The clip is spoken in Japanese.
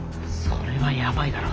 それはやばいだろ。